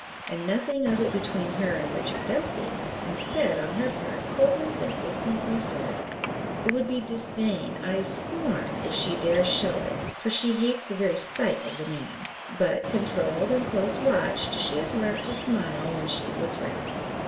And nothing of it between her and Richard Dempsey. Instead, on her part, coldness and distant reserve. It would be disdain ay, scorn if she dare show it; for she hates the very sight of the man. But, controlled and close watched, she has learnt to smile when she would frown.